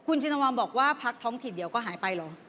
คุณชินวัลบอกว่าพักท้องถิ่นเดี๋ยวก็หายไปเหรอ